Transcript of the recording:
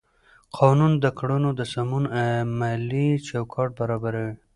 قانون د کړنو د سمون عملي چوکاټ برابروي.